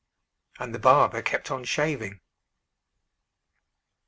And the barber kept on shaving.